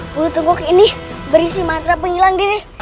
bulu tunggu ini berisi mantra penghilang diri